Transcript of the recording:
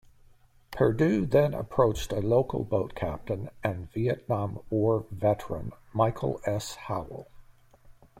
Perdue then approached a local boat captain and Vietnam War veteran, Michael S. Howell.